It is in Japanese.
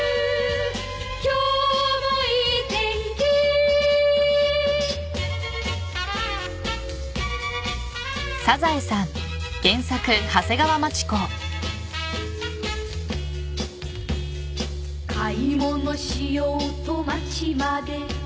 「今日もいい天気」「買い物しようと街まで」